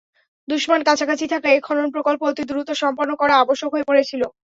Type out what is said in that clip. দুশমন কাছাকাছি থাকায় এ খনন প্রকল্প অতি দ্রুত সম্পন্ন করা আবশ্যক হয়ে পড়েছিল।